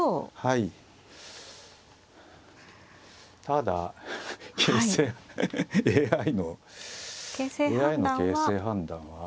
ただ形勢ＡＩのＡＩの形勢判断は。